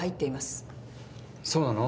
そうなの？